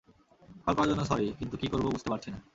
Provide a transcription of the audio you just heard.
Call করার জন্য sorry, কিন্তু কি করব বুঝতে পারছি না।